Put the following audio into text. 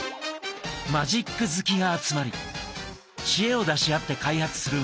マジック好きが集まり知恵を出し合って開発するマジックグッズ。